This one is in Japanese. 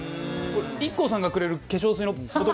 ＩＫＫＯさんがくれる化粧水のボトル。